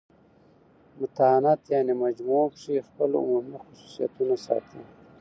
متانت یعني مجموع کښي خپل عمومي خصوصیتونه ساتي.